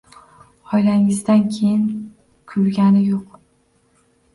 Oʻlganingizdan keyin kulgani yoʻq.